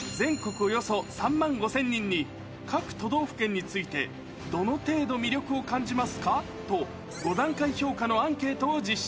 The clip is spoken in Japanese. およそ３万５０００人に、各都道府県について、どの程度魅力を感じますかと５段階評価のアンケートを実施。